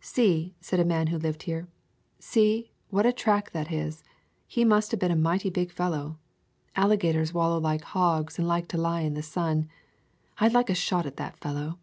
"See," said a man who lived here, "see, what a track that is! He must have been a mighty big fellow. Alligators wal low like hogs and like to lie in the sun. I'd like a shot at that fellow."